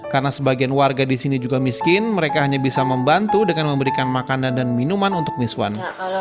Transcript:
karena sebagian warga disini juga miskin mereka hanya bisa membantu dengan memberikan makanan dan minuman untuk miswan